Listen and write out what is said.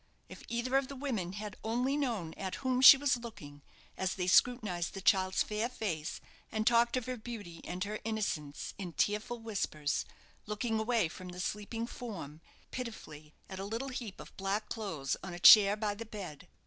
If either of the women had only known at whom she was looking, as they scrutinized the child's fair face and talked of her beauty and her innocence in tearful whispers, looking away from the sleeping form, pitifully, at a little heap of black clothes on a chair by the bed!